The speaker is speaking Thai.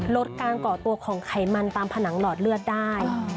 ลดการก่อตัวของไขมันตามผนังหลอดเลือดได้